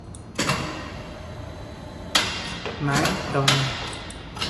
من دارم